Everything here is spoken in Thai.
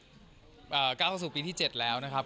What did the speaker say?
๙ศาสตร์ปีที่๗แล้วนะครับ